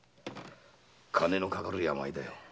金のかかる病だ。